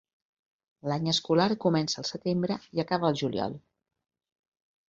L'any escolar comença el setembre i acaba el juliol.